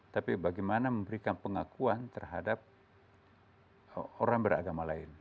tapi bagaimana memberikan pengakuan terhadap orang beragama lain